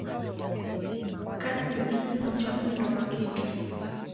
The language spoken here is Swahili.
Kasi ni kipimo cha mwendo wa kitu.